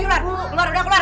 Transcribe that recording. ayo keluar keluar keluar